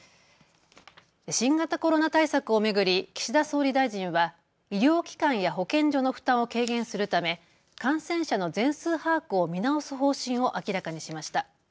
新型コロナ対策を巡り岸田総理大臣は医療機関や保健所の負担を軽減するため感染者の全数把握を見直す方針を明らかにしました。